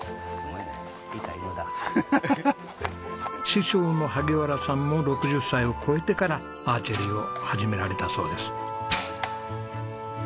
師匠の萩原さんも６０歳を超えてからアーチェリーを始められたそうです。